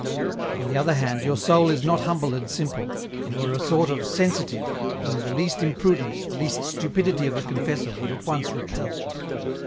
" On the other hand your soul is not humble and simple, you are a sort of ' sensitive,' whom the least imprudence, the least stupidity of a confessor would at once repel.